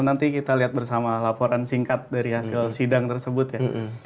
nanti kita lihat bersama laporan singkat dari hasil sidang tersebut ya